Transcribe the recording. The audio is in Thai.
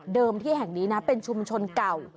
ที่แห่งนี้นะเป็นชุมชนเก่า